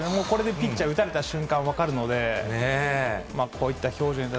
これでピッチャー、打たれた瞬間、分かるので、こういった表情で。